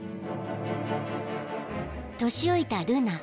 ［年老いたルナ］